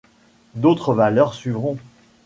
D'autres valeurs suivront.